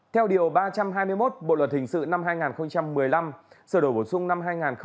theo điều ba trăm hai mươi một bộ luật hình sự năm hai nghìn một mươi năm